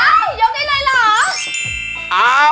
ยกได้เลยเหรอ